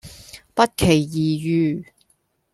不期而遇